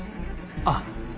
あっ。